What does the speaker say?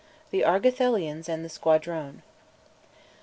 THE ARGATHELIANS AND THE SQUADRONE.